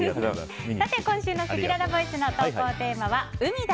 さて、今週のせきららボイスの投稿テーマは海だ！